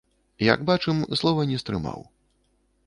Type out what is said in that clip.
Як бачым, слова не стрымаў.